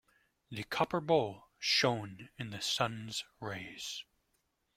The copper bowl shone in the sun's rays.